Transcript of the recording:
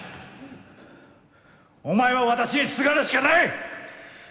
お前は私にすがるしかない！